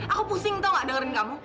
aku pusing tau gak dengerin kamu